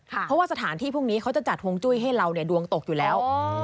เพราะว่าสถานที่พวกนี้เขาจะจัดฮวงจุ้ยให้เราดวงตกอยู่แล้ว